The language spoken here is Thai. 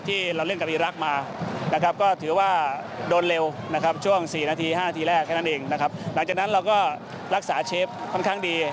ที่เราเล่นกับอีรัก